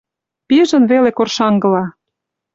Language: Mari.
Пижын веле коршаҥгыла...